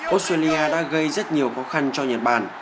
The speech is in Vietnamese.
australia đã gây rất nhiều khó khăn cho nhật bản